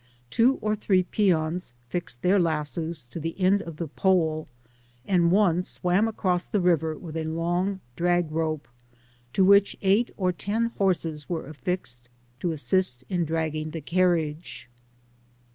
Two or three peoos foed their lassos to the end of the pole, and one swam across the riva: with a long drag rope, to which eight or ten horses were affixed, to asrfst in dragging the carriage.